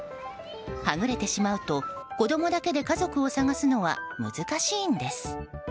はぐれてしまうと子供だけで家族を捜すのは難しいんです。